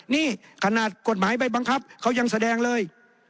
นี่ขนาดกฎหมายใบบังคับเขายังแสดงเลย